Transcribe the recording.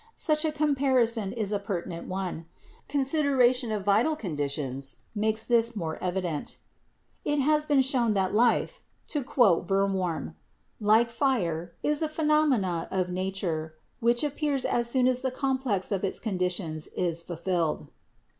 Such a comparison is a pertinent one. Consideration of vital conditions makes this more evident. "It has been shown that life," to quote Verworn, "like fire, is a phenomenon of nature which ap pears as soon as the complex of its conditions is fulfilled.